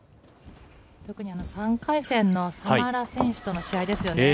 特に３回戦のサマラ選手との試合ですよね。